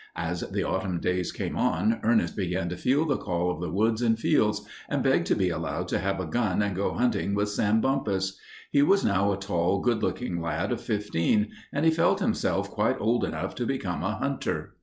As the autumn days came on, Ernest began to feel the call of the woods and fields, and begged to be allowed to have a gun and go hunting with Sam Bumpus. He was now a tall, good looking lad of fifteen, and he felt himself quite old enough to become a hunter.